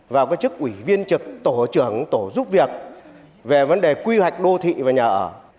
vào cái chức ủy viên trực tổ trưởng tổ giúp việc về vấn đề quy hoạch đô thị và nhà ở